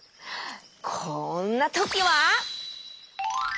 こんなときは！